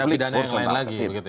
itu tidak bidana yang lain lagi